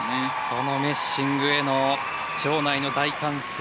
このメッシングへの場内の大歓声。